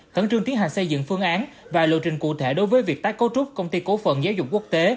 khẩn trương tiến hành xây dựng phương án và lộ trình cụ thể đối với việc tái cấu trúc công ty cố phận giáo dục quốc tế